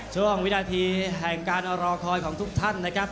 วินาทีแห่งการรอคอยของทุกท่านนะครับ